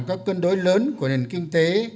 các cân đối lớn của nền kinh tế